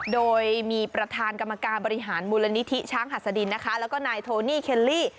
โดยมีประธานกรรมการบริหารมูลนิธิช้างหัสดินนะคะแล้วก็นายโทนี่เคลลี่